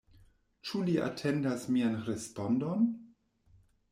Ĉu li atendas mian respondon?